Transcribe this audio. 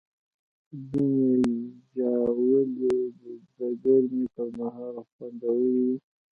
ځینې ژاولې د ګرمۍ پر مهال خوندورې وي.